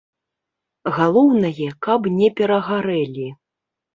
Галоўнае, каб не перагарэлі.